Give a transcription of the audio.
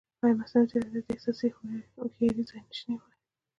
ایا مصنوعي ځیرکتیا د احساساتي هوښیارۍ ځای نه شي نیولی؟